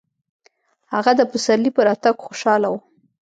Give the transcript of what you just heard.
هغه د پسرلي په راتګ خوشحاله و.